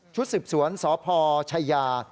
ชุดสิบสวนสพชายา